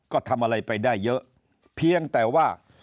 ก็ทำอะไรไปได้เยอะเพียงแต่ว่า